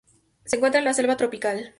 Se encuentra en la selva tropical.